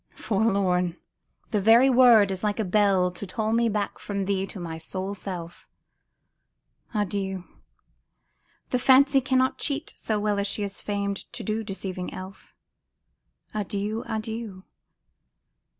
Forlorn ! the very word is like a bell To toll me back from thee to my sole self ! Adieu ! the fancy cannot cheat so well As she is famed to do, deceiving elf. Adieu ! adieu